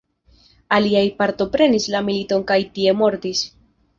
Aliaj partoprenis la militon kaj tie mortis.